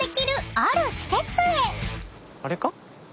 あれか？